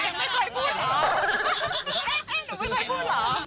เอ๊ะหนูไม่ค่อยพูดเหรอ